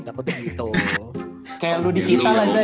kayak lu diciptakan aja ya